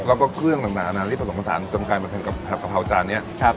แล้วก็เครื่องต่างอันนั้นที่ผสมสารจนกลายมาถึงกะเพราจานเนี้ยครับ